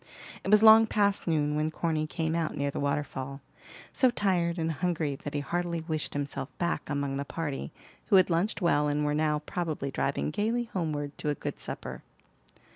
It was long past noon when Corny came out near the waterfall, so tired and hungry that he heartily wished himself back among the party, who had lunched well and were now probably driving gayly homeward to a good supper.